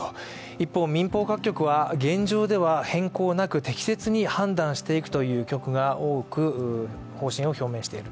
一方民放各局は現状では変更なく適切に判断していくという方針を表明している。